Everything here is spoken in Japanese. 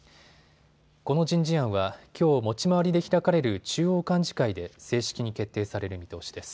この人事案は、きょう持ち回りで開かれる中央幹事会で正式に決定される見通しです。